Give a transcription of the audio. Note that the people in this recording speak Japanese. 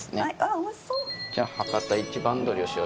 おいしそう。